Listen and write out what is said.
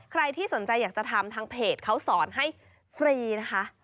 ใครที่สนใจอยากจะทำทางเพจเขาสอนให้ฟรีนะคะ